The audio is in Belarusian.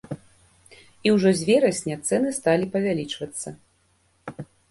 І ўжо з верасня цэны сталі павялічвацца.